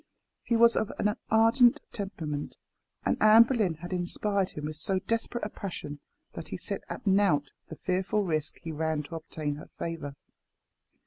He was of an ardent temperament, and Anne Boleyn had inspired him with so desperate a passion that he set at nought the fearful risk he ran to obtain her favour.